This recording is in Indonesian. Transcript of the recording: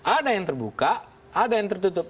ada yang terbuka ada yang tertutup